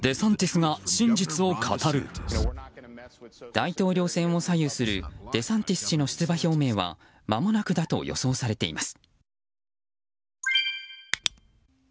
大統領選を左右するデサンティス氏の出馬表明はまもなくだと予想されています。